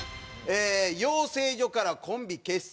養成所からコンビ結成期。